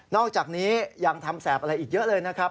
อกจากนี้ยังทำแสบอะไรอีกเยอะเลยนะครับ